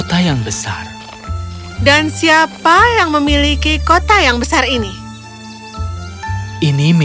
dan siapa yang memiliki kota yang besar ini